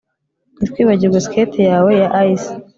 Ntiwibagirwe skate yawe ya ice